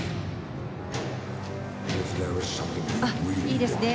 いいですね。